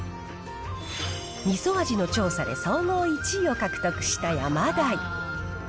みそ味の調査で総合１位を獲得したヤマダイ。